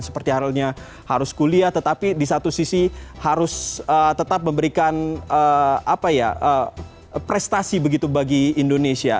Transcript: seperti halnya harus kuliah tetapi di satu sisi harus tetap memberikan prestasi begitu bagi indonesia